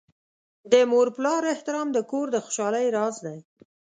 د مور پلار احترام د کور د خوشحالۍ راز دی.